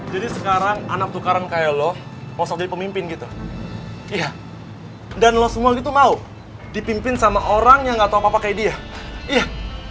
jadi sekarang anak tukarang kayak lo mau jadi pemimpin gitu iya dan lo semua gitu mau dipimpin sama orang yang gak tau apa apa kayak dia iya